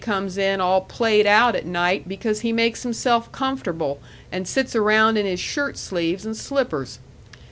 comes in all played out at night because he makes himself comfortable and sits around in his shirt sleeves and slippers.